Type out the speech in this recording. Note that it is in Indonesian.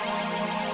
aku mau nganterin